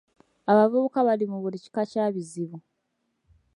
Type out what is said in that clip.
Abavubuka bali mu buli kika kya bizibu.